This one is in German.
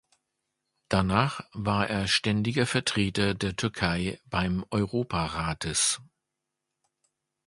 Danach war er Ständiger Vertreter der Türkei beim Europarates.